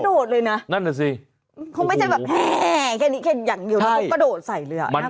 โอ้โฮของกระโดดเลยนะเค้าไปติดอยู่ได้